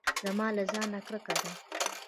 زما له ځانه کرکه ده .